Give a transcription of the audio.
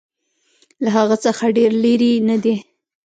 له هغه څخه ډېر لیري نه دی.